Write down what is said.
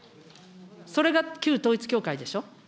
それが旧統一教会でしょ。